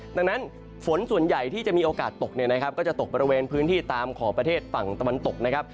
ดังนั้นฝนส่วนใหญ่ที่จะมีโอกาสตกเนี่ยนะครับก็จะตกบริเวณพื้นที่ตามขอบประเทศฝั่งตะวันตกนะครับ